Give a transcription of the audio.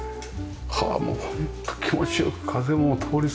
これもうホント気持ち良く風も通りそうですね。